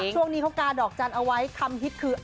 ช่วงนี้เขากาดอกจันทร์เอาไว้คำฮิตคือ